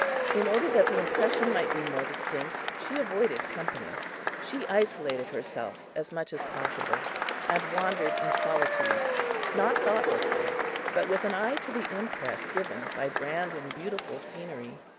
In order that the impression might be more distinct, she avoided company. She isolated herself as much as possible, and wandered in solitude, not thoughtlessly, but with an eye to the impress given by grand and beautiful scenery.